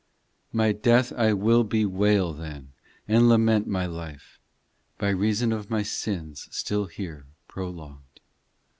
VIII My death I will bewail then, And lament my life By reason of my sins Still here prolonged.